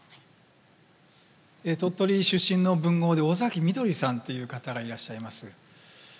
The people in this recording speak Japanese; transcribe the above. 鳥取出身の文豪で尾崎翠さんという方がいらっしゃいます。